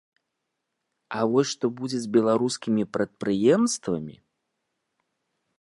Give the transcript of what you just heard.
А вось што будзе з беларускімі прадпрыемствамі?